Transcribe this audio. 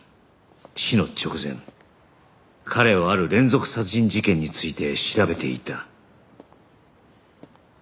死の直前彼はある連続殺人事件について調べていた